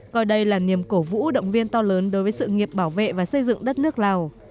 coi đây là niềm cổ vũ động viên to lớn đối với sự nghiệp bảo vệ và xây dựng đất nước lào